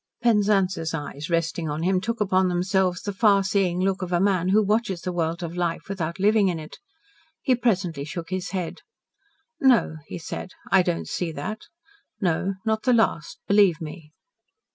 Penzance's eyes resting on him took upon themselves the far seeing look of a man who watches the world of life without living in it. He presently shook his head. "No," he said. "I don't see that. No not the last. Believe me."